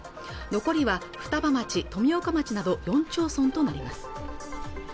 残りは双葉町、富岡町など４町村となります